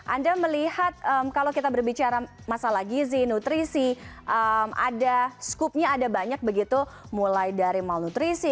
anda melihat kalau kita berbicara masalah gizi nutrisi ada skupnya ada banyak begitu mulai dari malnutrisi